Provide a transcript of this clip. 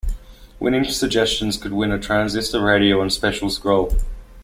Winning suggestions would win a transistor radio and special scroll.